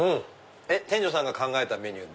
店長さんが考えたメニュー？